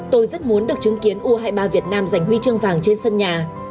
tôi rất muốn được chứng kiến u hai mươi ba việt nam giành huy chương vàng trên sân nhà